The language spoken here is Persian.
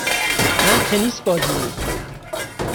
من تنیس بازی میکنم.